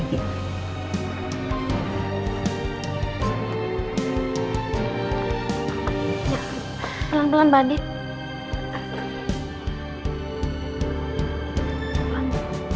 pelan pelan mbak andin